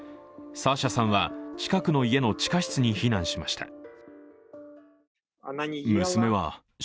サーシャさんは、近くの家の地下室に避難しました。